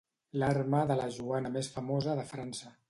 L'arma de la Joana més famosa de França.